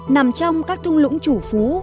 nằm trong các thung lũng chủ phú